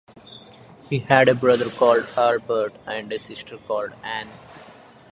He had a brother called Albert and a sister called Ann.